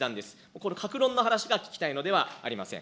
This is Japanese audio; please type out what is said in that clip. この各論の話が聞きたいのではありません。